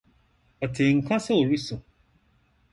Ɔtee nka sɛ ɔresu.